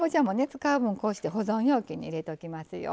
使う分をこうして保存容器に入れときますよ。